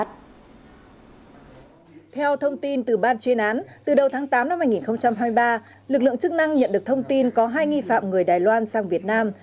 theo thông tin từ ban chuyên án từ đầu tháng tám năm hai nghìn hai mươi ba lực lượng chức năng nhận được thông tin có hai nghi phạm người đài loan sang việt nam